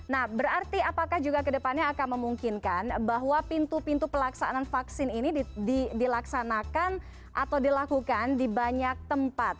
nah berarti apakah juga kedepannya akan memungkinkan bahwa pintu pintu pelaksanaan vaksin ini dilaksanakan atau dilakukan di banyak tempat